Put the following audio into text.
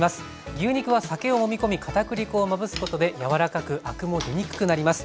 牛肉は酒をもみ込み片栗粉をまぶすことで柔らかくアクも出にくくなります。